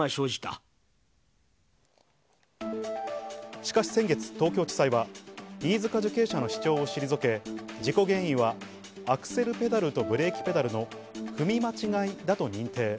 しかし先月、東京地裁は飯塚受刑者の主張を退け、事故原因はアクセルペダルとブレーキペダルの踏み間違いだと認定。